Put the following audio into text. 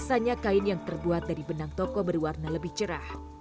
biasanya kain yang terbuat dari benang toko berwarna lebih cerah